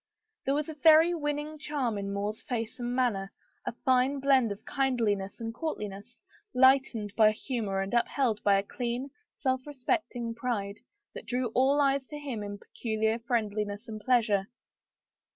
There was a very winning charm in More's face and manner, a fine blend of kind liness and courtliness, lightened by humor and upheld by a clean, self respecting pride, that drew all eyes to him in peculiar friendliness and pleasure.